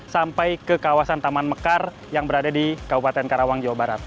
sampai ke kawasan taman mekar yang berada di kabupaten karawang jawa barat